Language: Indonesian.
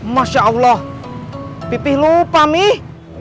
masya allah pipih lupa mih